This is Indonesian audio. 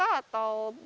atau berapa hari